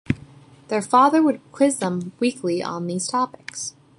Their father would quiz them weekly on these topics.